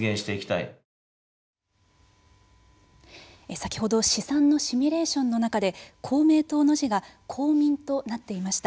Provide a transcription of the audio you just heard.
先ほど試算のシミュレーションの中で公明党の字が公民となっていました。